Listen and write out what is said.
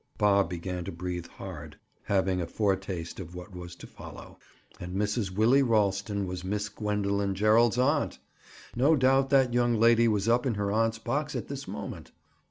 Bob began to breathe hard, having a foretaste of what was to follow. And Mrs. "Willie" Ralston was Miss Gwendoline Gerald's aunt! No doubt that young lady was up in her aunt's box at this moment.